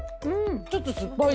ちょっと酸っぱい。